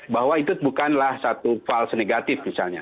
bahwa itu bukanlah satu fals negatif misalnya